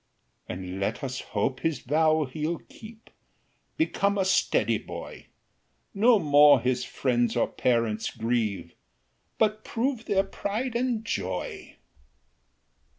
And let us hope his vow he'll keep, Become a steady boy, No more his friends or parents grieve, But prove their pride and joy.